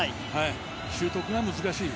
習得が難しい。